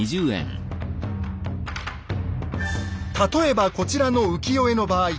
例えばこちらの浮世絵の場合。